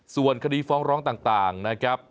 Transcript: ส่วนคดีฟ้องร้องต่างนะครับ